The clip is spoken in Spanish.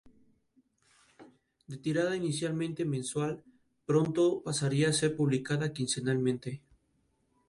La población continuó en aumento hasta la mitad del siglo.